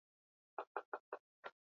magoli kupitia henry joseph eshindika